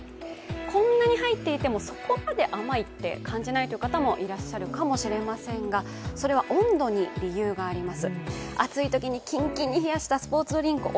こんなに入っていてもそこまで甘くないと感じる方もいらっしゃるかもしれませんが、それは温度に理由があります。